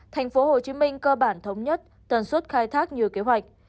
tp hcm cơ bản thống nhất tuần xuất khai thác nhiều kế hoạch